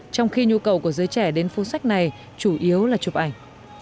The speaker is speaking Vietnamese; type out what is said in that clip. trong khi nhu cầu của giới trẻ đến phố sách này chủ yếu là chụp ảnh